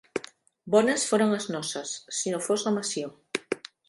Bones foren les noces, si no fos la messió.